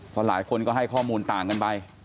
เพราะหลายคนก็ให้ข้อมูลต่างกันไป